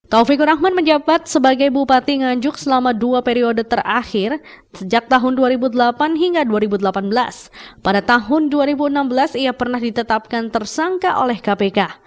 taufikur rahman menjawab